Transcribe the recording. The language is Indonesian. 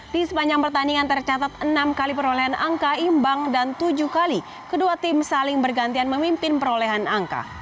di sepanjang pertandingan tercatat enam kali perolehan angka imbang dan tujuh kali kedua tim saling bergantian memimpin perolehan angka